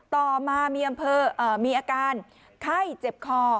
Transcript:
ต่อมามีอาการไข้เจ็บคอ